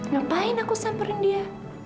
ngapain aku samperin dia